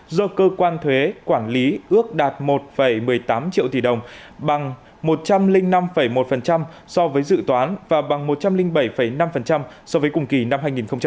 do cơ quan thuế quản lý ước đạt một một mươi tám triệu tỷ đồng bằng một trăm linh năm một so với dự toán và bằng một trăm linh bảy năm so với cùng kỳ năm hai nghìn một mươi chín